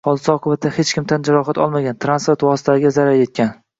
Hodisa oqibatida hech kim tan jarohati olmagan, transport vositalariga zarar yetgan